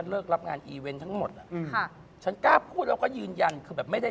เนี่ยผมนั่งงีก็ไม่ได้